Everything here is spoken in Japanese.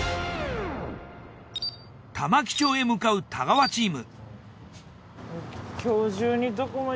玉城町へ向かう太川チーム。